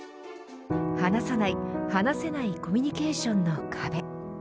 話さない、話せないコミュニケーションの壁。